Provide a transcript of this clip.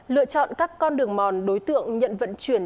lựa chọn các con đường mòn đối tượng nhận vận chuyển